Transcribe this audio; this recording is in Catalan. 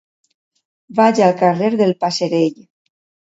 Vaig al carrer del Passerell.